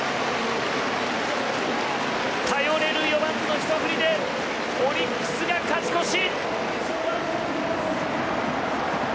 頼れる４番のひと振りでオリックスが勝ち越し！